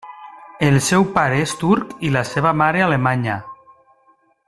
El seu pare és turc i la seva mare alemanya.